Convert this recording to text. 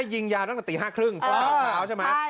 ว่ายิงยาตั้งแต่ตีห้าครึ่งเออข่าวเช้าใช่ไหมใช่